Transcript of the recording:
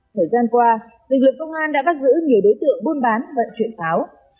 thời gian qua lực lượng công an đã bắt giữ nhiều đối tượng buôn bán vận chuyển pháo